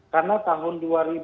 karena tahun dua ribu delapan